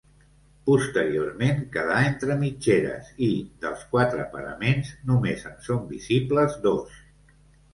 Posteriorment quedà entre mitgeres i, dels quatre paraments, només en són visibles dos.